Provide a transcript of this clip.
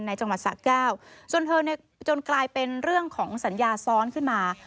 ในจังหวัดสระเก้าส่วนเธอจนกลายเป็นเรื่องของสัญญาซ้อนขึ้นมา